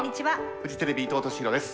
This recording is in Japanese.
フジテレビ伊藤利尋です。